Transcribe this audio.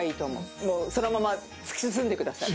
もうそのまま突き進んでください。